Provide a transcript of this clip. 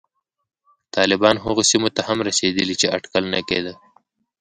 طالبان هغو سیمو ته هم رسېدلي چې اټکل نه کېده